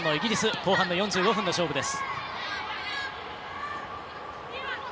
後半の４５分の勝負です。